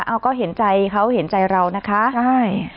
เอาก็เห็นใจเขาเห็นใจเรานะคะใช่